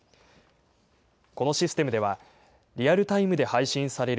このシステムでは、リアルタイムで配信される